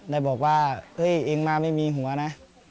ได้บอกว่าเฮ้ยเองมาไม่มีหัวนะ